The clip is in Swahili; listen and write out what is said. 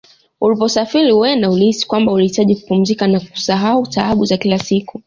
Uliposafiri huenda ulihisi kwamba ulihitaji kupumzika na kusahau taabu za kila siku